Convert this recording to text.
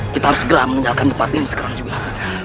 kita harus segera meninggalkan tempat ini sekarang juga